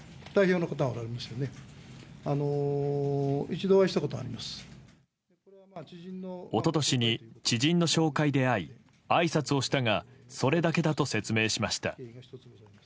一昨年に知人の紹介で会いあいさつをしたがそれだけだと説明しました。